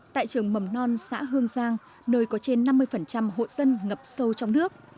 tại trường mầm non xã hương giang nơi có trên năm mươi hộ dân ngập sâu trong nước